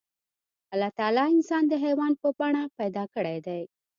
الله تعالی انسان د حيوان په بڼه پيدا کړی دی.